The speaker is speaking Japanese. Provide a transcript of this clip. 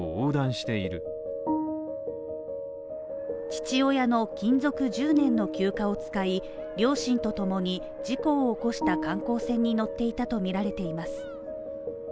父親の勤続１０年の休暇を使い、両親とともに事故を起こした観光船に乗っていたとみられています。